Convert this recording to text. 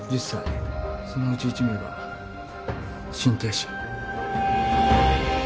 そのうち１名が心停止。